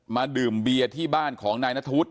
ดื่มเบียร์ที่บ้านของนายนัทธวุฒ